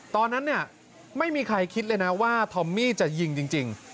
ตอนนั้นเนี่ยไม่มีใครคิดเลยนะว่าทอมมี่จะยิงจริง